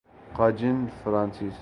کاجن فرانسیسی